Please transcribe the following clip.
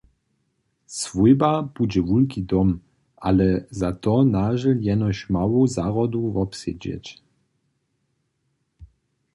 Swójba budźe wulki dom, ale za to nažel jenož mału zahrodu wobsedźeć.